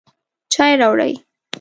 چای راوړئ